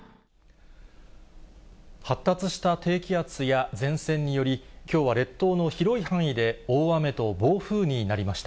発達した低気圧や前線により、きょうは列島の広い範囲で、大雨と暴風になりました。